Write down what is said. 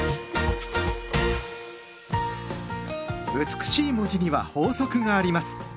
美しい文字には法則があります。